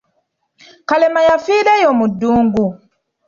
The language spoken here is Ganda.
Kalema yafiira eyo mu ddungu.